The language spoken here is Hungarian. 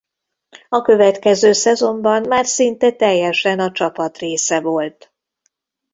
A következő szezonban már szinte teljesen a csapat része volt.